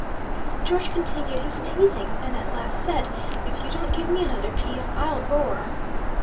George continued his teasing; and at last said, 'If you don't give me another piece, I'll roar.'